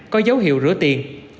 có dấu hiệu rửa tiền